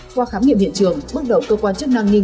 qua khám nghiệm hiện trường bước đầu cơ quan chức năng nghi